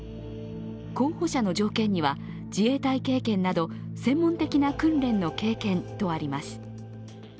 候補者の条件には自衛隊経験など専門的な訓練の経験とあります。